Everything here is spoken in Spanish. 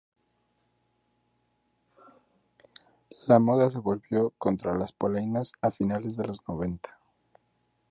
La moda se volvió contra las polainas a finales de los noventa.